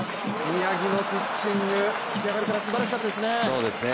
宮城のピッチング、立ち上がりからすばらしかったですね。